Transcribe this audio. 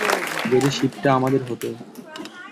যদি শিপটা আমাদের হতো!